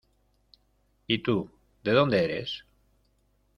Y tú, ¿de dónde eres?